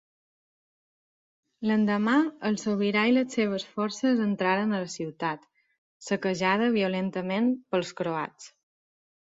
L'endemà, el sobirà i les seves forces entraren a la ciutat, saquejada violentament pels croats.